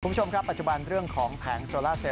คุณผู้ชมครับปัจจุบันเรื่องของแผงโซล่าเซล